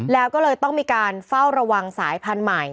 แล้วก็เลยต้องมีการเฝ้าระวังสายพันธุ์ใหม่